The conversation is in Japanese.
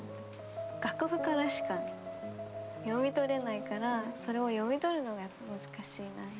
楽譜からしか読み取れないからそれを読み取るのが難しいなって。